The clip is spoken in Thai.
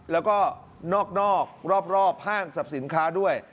แล้วก็นอกรอบห้างสรรพสินค้าด้วย